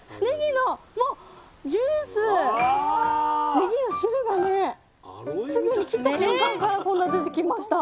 ねぎの汁がねすぐに切った瞬間からこんな出てきました。